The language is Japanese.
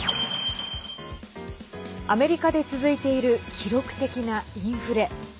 アメリカで続いている記録的なインフレ。